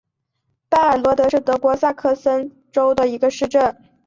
拜尔罗德是德国萨克森州的一个市镇。